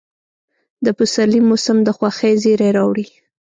د پسرلي موسم د خوښۍ زېرى راوړي.